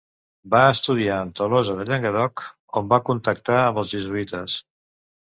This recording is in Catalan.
Va estudiar en Tolosa de Llenguadoc on va contactar amb els jesuïtes.